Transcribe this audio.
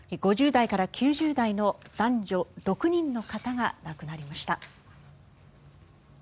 ５０代から９０代の男女６人の方が亡くなりました。